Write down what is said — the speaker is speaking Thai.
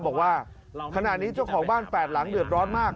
บอกว่าขณะนี้เจ้าของบ้านแปดหลังเดือดร้อนมาก